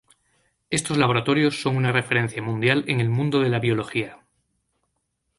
Estos laboratorios son una referencia mundial en el mundo de la biología.